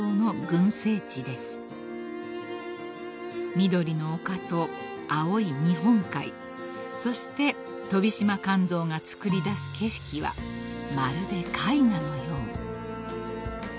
［緑の丘と青い日本海そしてトビシマカンゾウがつくり出す景色はまるで絵画のよう］